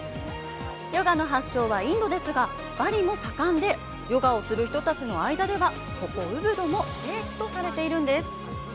ヨガの発祥はインドですが、バリも盛んで、ヨガをする人たちの間ではここウブドも聖地とされているんです。